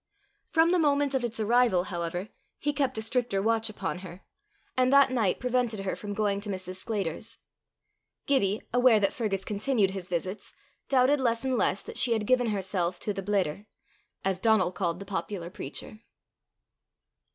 From the moment of its arrival, however, he kept a stricter watch upon her, and that night prevented her from going to Mrs. Sclater's. Gibbie, aware that Fergus continued his visits, doubted less and less that she had given herself to "The Bledder," as Donal called the popular preacher.